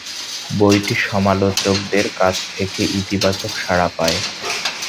বইটি সমালোচকদের কাছ থেকে ইতিবাচক সাড়া পায়।